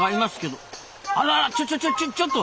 あららちょちょちょちょっと！